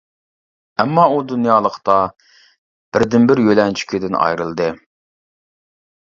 ئەمما ئۇ دۇنيالىقتا بىردىنبىر يۆلەنچۈكىدىن ئايرىلدى.